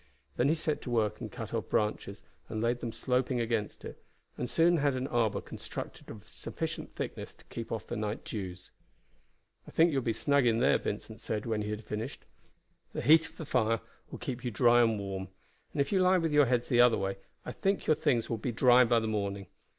Then he set to work and cut off branches, and laid them sloping against it, and soon had an arbor constructed of sufficient thickness to keep off the night dews. "I think you will be snug in there," Vincent said when he had finished. "The heat of the fire will keep you dry and warm, and if you lie with your heads the other way I think your things will be dry by the morning.